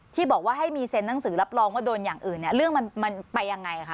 ที่บอกว่าให้มีเซ็นหนังสือรับรองว่าโดนอย่างอื่นเนี่ยเรื่องมันไปยังไงคะ